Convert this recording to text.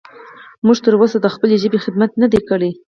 موږ تر اوسه د خپلې ژبې خدمت نه دی کړی.